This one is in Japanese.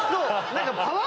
何か。